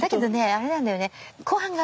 あれなんだよね。